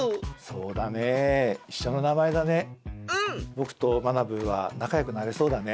ぼくとまなブーは仲よくなれそうだね。